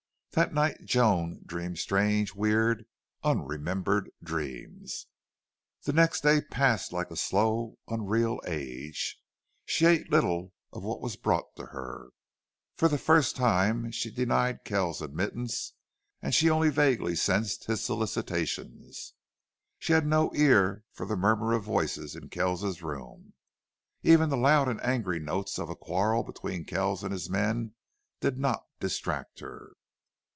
That night Joan dreamed strange, weird, unremembered dreams. The next day passed like a slow, unreal age. She ate little of what was brought to her. For the first time she denied Kells admittance and she only vaguely sensed his solicitations. She had no ear for the murmur of voices in Kells's room. Even the loud and angry notes of a quarrel between Kells and his men did not distract her.